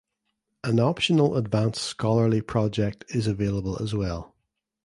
An optional advanced scholarly project is available as well.